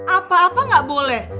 apa apa gak boleh